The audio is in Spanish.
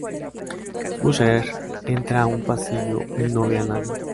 Usher entra en un pasillo y no ve a nadie.